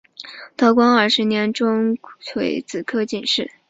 道光二十年中庚子科进士。